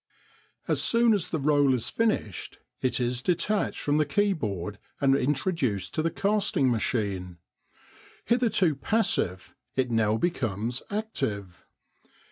As soon as the roll is finished, it is detached from the keyboard and introduced to the casting machine. Hitherto passive, it now becomes active.